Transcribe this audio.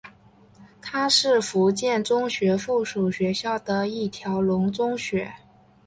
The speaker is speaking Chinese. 它是福建中学附属学校的一条龙中学。